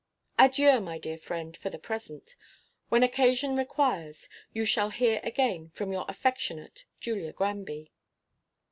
Adieu, my dear friend, for the present. When occasion requires, you shall hear again from your affectionate JULIA GRANBY.